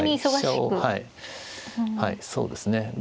飛車をはいそうですね。